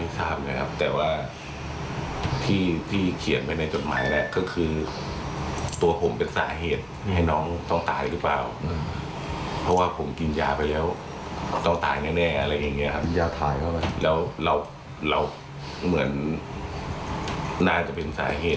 เข้าข่าวแล้วก็เขียนสมัยกันอย่างนั้น